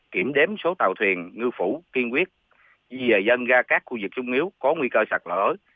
kiểm đếm số tàu thuyền ngư phủ kiên quyết di dời dân ra các khu vực trung yếu có nguy cơ sạt lở